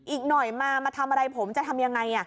อีกหน่อยมามาทำอะไรผมจะทำยังไง